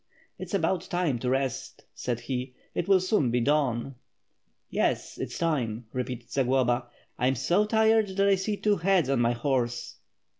"It's about time to rest/' said he, "it will soon be dawn.'^ "Yes, it is time," repeated Zagloba. "I am so tired that I see two heads on my horse."